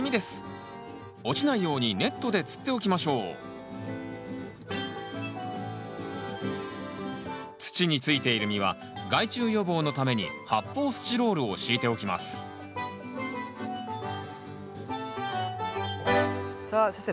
落ちないようにネットでつっておきましょう土についている実は害虫予防のために発泡スチロールを敷いておきますさあ先生